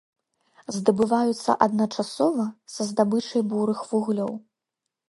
Здабываюцца адначасова са здабычай бурых вуглёў.